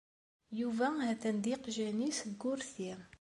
Yuba ha-t-an d yiqjan-is deg wurti.